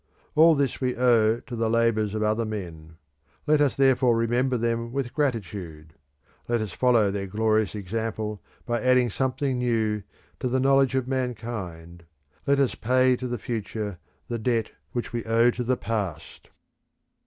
All this we owe to the labours of other men. Let us therefore remember them with gratitude; let us follow their glorious example by adding something new to the knowledge of mankind; let us pay to the future the debt which we owe to the past.